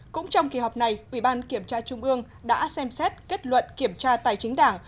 bốn cũng trong kỳ họp này ủy ban kiểm tra trung ương đã xem xét kết luận kiểm tra tài chính đảng